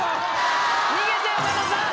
逃げて尾形さん！